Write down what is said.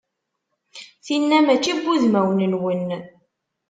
Tinna mačči n wudmawen-nwen.